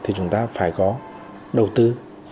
thì chúng ta phải có đầu tư